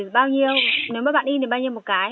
và bên bạn số lượng in thì bao nhiêu một cái